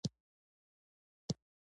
کال دوه کاله وړاندې امنيتي ستونزې وې.